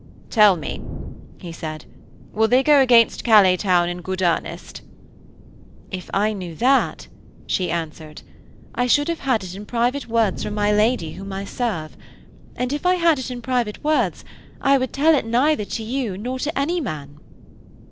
'Tell me,' he said, 'will they go against Calais town in good earnest?' 'If I knew that,' she answered, 'I should have had it in private words from my lady whom I serve. And, if I had it in private words I would tell it neither to you nor to any man.'